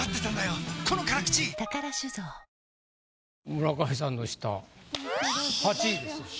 村上さんの下８位ですよ。